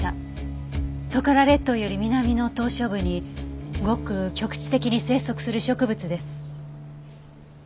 トカラ列島より南の島嶼部にごく局地的に生息する植物です。